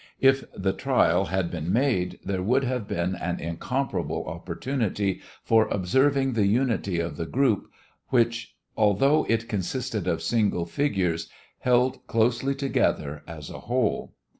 If the trial had been made, there would have been an incomparable opportunity for observing the unity of the group, which, although it consisted of single figures, held closely together as a whole.